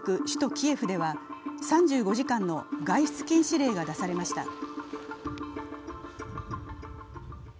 首都キエフでは３５時間の外出禁止令が出されました。